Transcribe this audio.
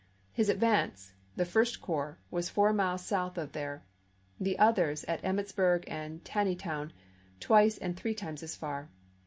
His advance, the First Corps, was four miles south of there ; the others at Em mitsburg and Taneytown, twice and three times as far.